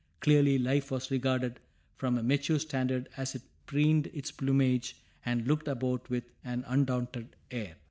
Clearly, life was regarded from a mature standard as it preened its plumage and looked about with an undaunted air.